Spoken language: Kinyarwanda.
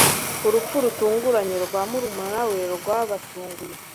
Urupfu rutunguranye rwa murumuna we rwabatunguye.